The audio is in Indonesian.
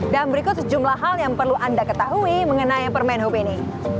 dan berikut sejumlah hal yang perlu anda ketahui mengenai permain hub ini